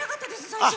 最初。